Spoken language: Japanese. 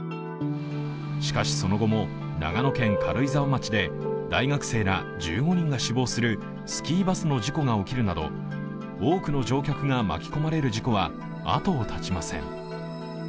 しかし、その後も長野県軽井沢町で大学生ら１５人が死亡するスキーバスの事故が起きるなど、多くの乗客が巻き込まれる事故は後を絶ちません。